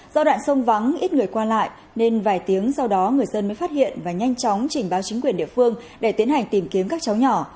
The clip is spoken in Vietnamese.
do đoạn sông vắng ít người qua lại nên vài tiếng sau đó người dân mới phát hiện và nhanh chóng trình báo chính quyền địa phương để tiến hành tìm kiếm các cháu nhỏ